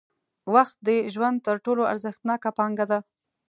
وخت د ژوند تر ټولو ارزښتناکه پانګه ده.